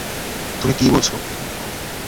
তুমি কি বলছো?